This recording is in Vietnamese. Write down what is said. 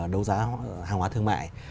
đấu giá hàng hóa thương mại